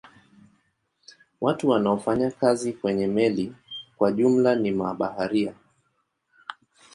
Watu wanaofanya kazi kwenye meli kwa jumla ni mabaharia.